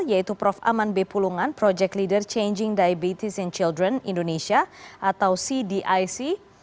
yaitu prof aman b pulungan project leader changing diabetes in children indonesia atau cdic